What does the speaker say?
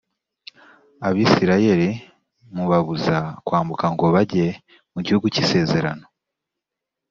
abisirayeli mubabuza kwambuka ngo bajye mu gihugu cy’isezerano